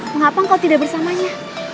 mengapa engkau tidak bersamanya